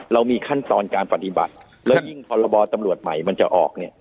เรามีขั้นตอนการปฏิบัติแล้วยิ่งพรบตำรวจใหม่มันจะออกเนี่ย